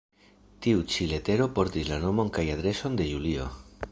Tiu ĉi letero portis la nomon kaj adreson de Julio.